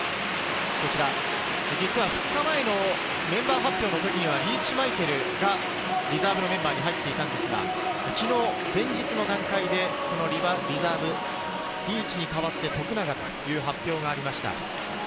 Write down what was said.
２日前のメンバー発表のときにはリーチ・マイケルがリザーブのメンバーに入っていたんですが、昨日、前日の段階でリザーブ、リーチに代わって徳永という発表がありました。